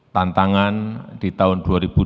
tantangan di tahun